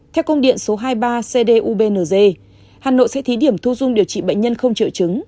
theo công điện số hai mươi ba cdubng hà nội sẽ thí điểm thu dung điều trị bệnh nhân không triệu chứng